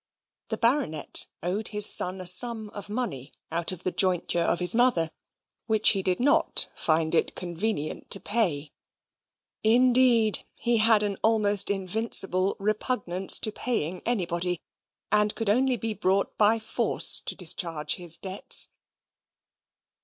The Baronet owed his son a sum of money out of the jointure of his mother, which he did not find it convenient to pay; indeed he had an almost invincible repugnance to paying anybody, and could only be brought by force to discharge his debts.